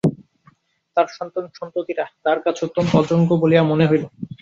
তাঁহার সন্তানসন্ততিরা তাঁহার কাছে অত্যন্ত অযোগ্য বলিয়া মনে হইল।